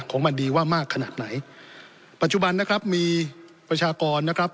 ของมันดีว่ามากขนาดไหนปัจจุบันนะครับมีประชากรนะครับ